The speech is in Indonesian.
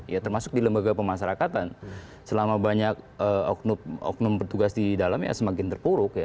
ya termasuk di lembaga pemasarakatan selama banyak oknum oknum bertugas di dalamnya semakin terpuruk ya